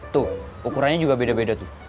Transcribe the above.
tuh ukurannya juga beda beda tuh